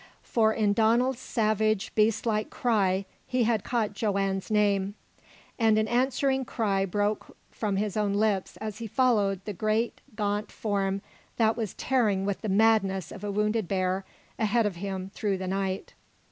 For in Donald's savage beastlike cry he had caught Joanne's name, and an answering cry broke from his own lips as he followed the great gaunt form that was tearing with the madness of a wounded bear ahead of him through the night.